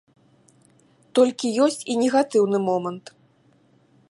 Толькі ёсць і негатыўны момант.